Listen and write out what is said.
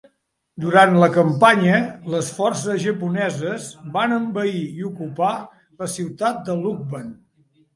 Durant la campanya, les forces japoneses van envair i ocupar la ciutat de Lucban.